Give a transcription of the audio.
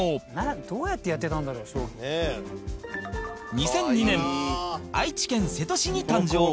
２００２年愛知県瀬戸市に誕生